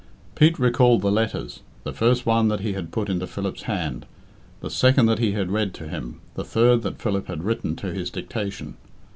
Pete recalled the letters the first one that he had put into Philip's hand, the second that he had read to him, the third that Philip had written to his dictation.